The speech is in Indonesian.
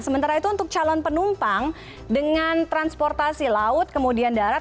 sementara itu untuk calon penumpang dengan transportasi laut kemudian darat